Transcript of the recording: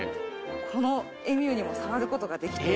このエミューにも触ることができて。